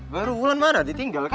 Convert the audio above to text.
baru wulan mana ditinggal kak